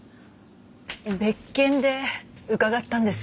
別件で伺ったんです。